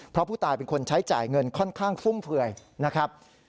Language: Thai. เพราะผู้ตายเป็นคนใช้จ่ายเงินค่อนข้างฟุ่มเฟื่อยนะครับ